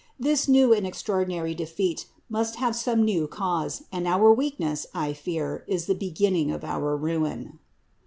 This new and extraor dinary defeat must have some new cause, and our weak ness, I fear, is the beginning of our ruin."